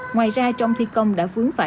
ngoài ra trong thi công đã vướng phát